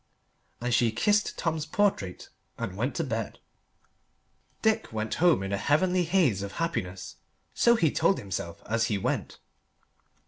And she kissed Tom's portrait and went to bed. Dick went home in a heavenly haze of happiness so he told himself as he went.